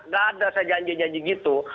gak ada saya janji janji gitu